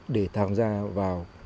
để tham gia vào